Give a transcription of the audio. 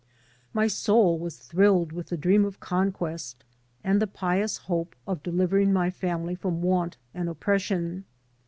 My soul was thrilled with the dream of conquest and the pious hope of delivering my family from want and oppression.